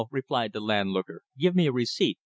"No," replied the landlooker. "Give me a receipt.